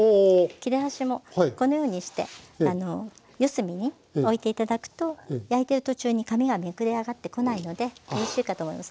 切れ端もこのようにして四隅に置いて頂くと焼いてる途中に紙がめくれ上がってこないのでよろしいかと思います。